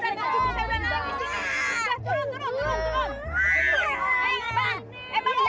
turun turun turun